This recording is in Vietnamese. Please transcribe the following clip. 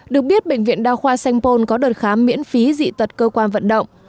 được biết bệnh viện đa khoa sanh pôn có đợt khám miễn phí dị tật cơ quan vận động